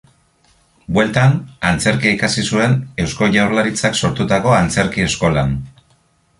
Bueltan, antzerkia ikasi zuen Eusko Jaurlaritzak sortutako Antzerti eskolan.